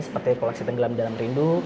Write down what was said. seperti koleksi tenggelam dalam rindu